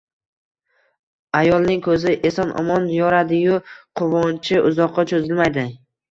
Ayolning ko‘zi eson-omon yoradi-yu, quvonchi uzoqqa cho‘zilmaydi